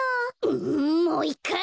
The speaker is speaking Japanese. んもういっかい！